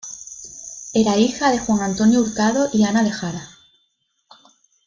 Era hija de Juan Antonio Hurtado y Ana de Jara.